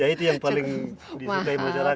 ya itu yang paling disukai masyarakat